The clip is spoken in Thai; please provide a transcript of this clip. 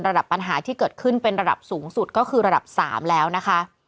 ปัญหาที่เกิดขึ้นเป็นระดับสูงสุดก็คือระดับ๓แล้วนะคะ